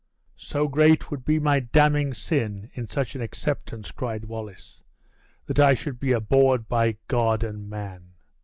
"So great would be my damning sin in such an acceptance," cried Wallace, "that I should be abhorred by God and man.